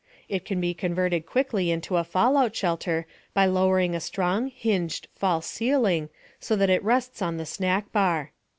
It can be converted quickly into a fallout shelter by lowering a strong, hinged "false ceiling" so that it rests on the snack bar.